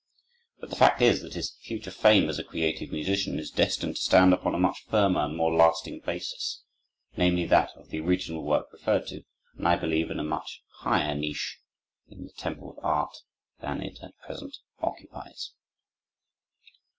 But the fact is that his future fame as a creative musician is destined to stand upon a much firmer and more lasting basis—namely, that of the original work referred to; and I believe in a much higher niche in the temple of art than it at present occupies.